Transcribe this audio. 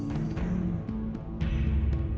อ่ะสิ